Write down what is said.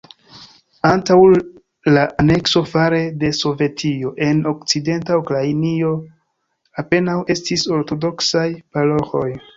Antaŭ la anekso fare de Sovetio, en okcidenta Ukrainio apenaŭ estis ortodoksaj paroĥoj.